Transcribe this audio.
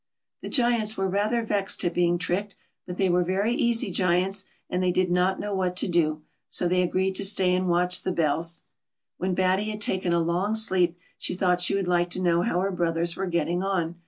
The Giants were rather vexed at being tricked, but they were very easy Giants, and they did not know what to do, so they agreed to stay and watch the bells. When Batty had taken a long sleep, she thought she would like to know how her brothers were getting on.